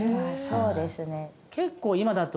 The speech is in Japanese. そうですね